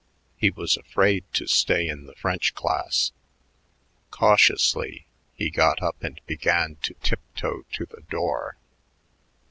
He was afraid to stay in the French class. Cautiously he got up and began to tiptoe to the door.